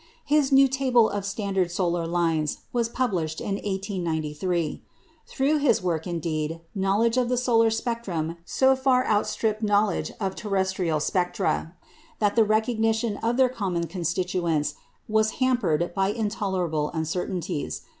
His new table of standard solar lines was published in 1893. Through his work, indeed, knowledge of the solar spectrum so far outstripped knowledge of terrestrial spectra, that the recognition of their common constituents was hampered by intolerable uncertainties.